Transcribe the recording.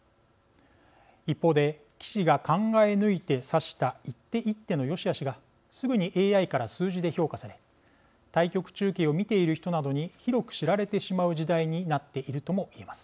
一方で棋士が考え抜いて指した一手一手のよしあしがすぐにＡＩから数字で評価され対局中継を見ている人などに広く知られてしまう時代になっているとも言えます。